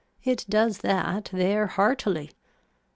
It does that there heartily.